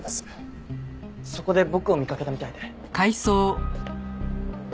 そこで僕を見かけたみたいで。